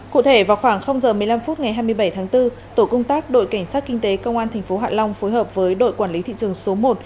cụ thể vào khoảng giờ một mươi năm phút ngày hai mươi bảy tháng bốn tổ công tác đội cảnh sát kinh tế công an tp hạ long phối hợp với đội quản lý thị trường số một